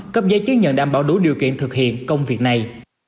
cấp giấy chứng nhận đảm bảo đủ điều kiện thực hiện công việc này